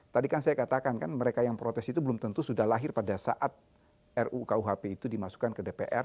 tadi kan saya katakan kan mereka yang protes itu belum tentu sudah lahir pada saat rukuhp itu dimasukkan ke dpr